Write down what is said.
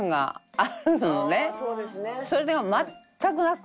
ああそうですね。